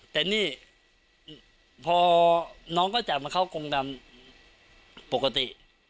แต่นี่พอน้องก็จับมาเข้ากงดำปกติ